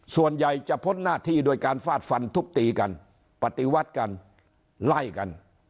ส่วนใหญ่จะพ้นหน้าที่โดยการฟาดฟันทุบตีกันปฏิวัติกันไล่กัน